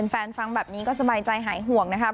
ฟังแบบนี้ก็สบายใจหายห่วงนะครับ